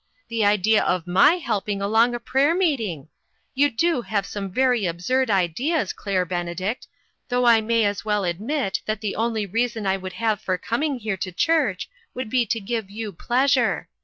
The idea of my helping along a pra}*er raeeting ! You do have some very absurd ideas, Claire Benedict, though I may as well admit that the only reason I would have for coming here to church would be to give you pleasure.